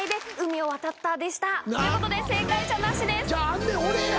あんねん俺や！